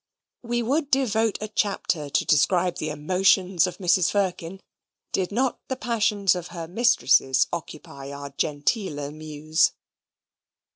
We would devote a chapter to describe the emotions of Mrs. Firkin, did not the passions of her mistresses occupy our genteeler muse.